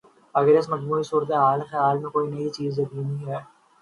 اگر اس مجموعی صورت حال میں کوئی چیز یقینی ہے۔